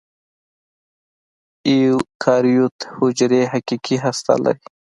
ایوکاریوت حجرې حقیقي هسته لري.